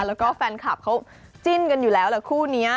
แล้วก็แฟนคลับเขาจิ้นกันอยู่แล้วแหละคู่นี้